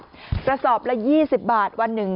กระสอบละ๒๐บาทวันหนึ่ง